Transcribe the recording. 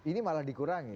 ini malah dikurangi